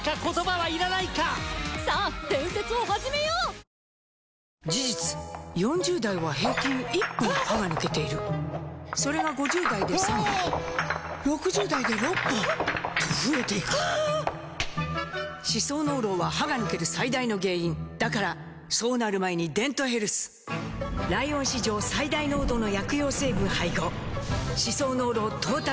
水層パック ＵＶ「ビオレ ＵＶ」事実４０代は平均１本歯が抜けているそれが５０代で３本６０代で６本と増えていく歯槽膿漏は歯が抜ける最大の原因だからそうなる前に「デントヘルス」ライオン史上最大濃度の薬用成分配合歯槽膿漏トータルケア！